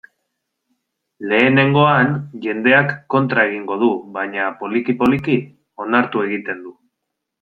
Lehenengoan, jendeak kontra egingo du, baina, poliki-poliki, onartu egiten du.